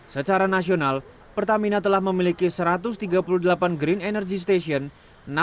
secara nasional pertamina telah memiliki satu ratus tiga puluh delapan green energy station